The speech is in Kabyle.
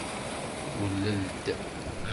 Tulel-d.